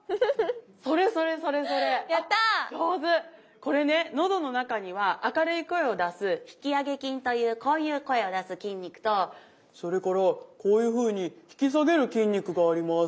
これね喉の中には明るい声を出す引き上げ筋というこういう声を出す筋肉とそれからこういうふうに引き下げる筋肉があります。